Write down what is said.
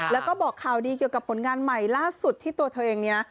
แล้วก็บอกข่าวดีเกี่ยวกับผลงานใหม่ล่าสุดที่ตัวเธอเองเนี่ย